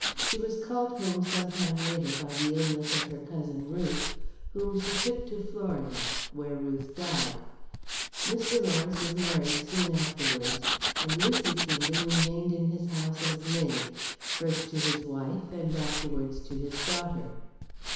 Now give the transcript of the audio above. She was called home, some time later, by the illness of her cousin Ruth, whom she took to Florida, where Ruth died. Mr. Lawrence was married soon afterwards, and Lucy Kingdon remained in his house as maid, first to his wife and afterwards to his daughter.